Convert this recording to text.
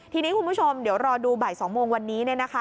ทีนี้คุณผู้ชมเดี๋ยวรอดูบ่าย๒โมงวันนี้